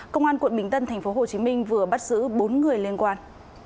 công an quận bình tân tp hcm vừa bắt giữ bốn người liên quan